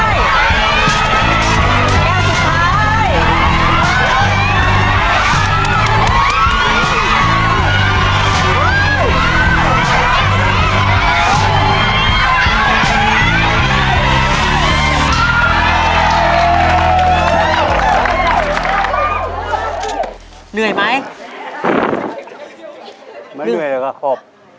ไม่เหนื่อยแต่หอบ